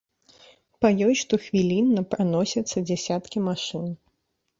Па ёй штохвілінна праносяцца дзясяткі машын.